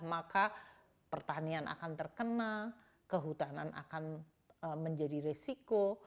maka pertanian akan terkena kehutanan akan menjadi resiko